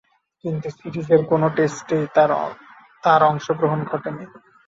কিন্তু সিরিজের কোন টেস্টেই তার অংশগ্রহণ ঘটেনি।